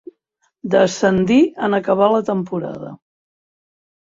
Descendí en acabar la temporada.